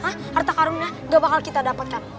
harta karunia gak bakal kita dapatkan